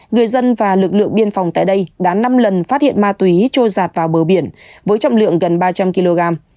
người dân và lực lượng biên phòng tại đây đã năm lần phát hiện ma túy trôi giạt vào bờ biển với trọng lượng gần ba trăm linh kg